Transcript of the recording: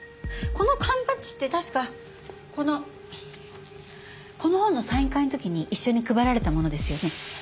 この缶バッジって確かこのこの本のサイン会の時に一緒に配られたものですよね？